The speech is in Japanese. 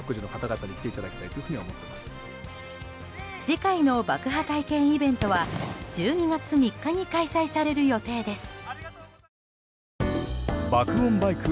次回の爆破体験イベントは１２月３日に開催される予定です。